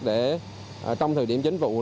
để trong thời điểm chính vụ